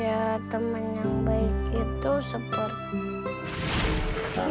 ya teman yang baik itu seperti